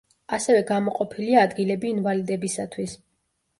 ასევე გამოყოფილია ადგილები ინვალიდებისათვის.